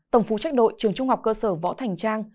tổng phụ trách đội trường trung học cơ sở võ thành trang